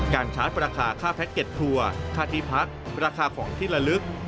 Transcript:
ชาร์จราคาค่าแพ็กเก็ตครัวค่าที่พักราคาของที่ละลึก